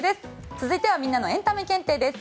続いてはみんなのエンタメ検定です。